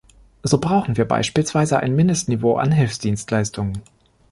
So brauchen wir beispielsweise ein Mindestniveau an Hilfsdienstleistungen.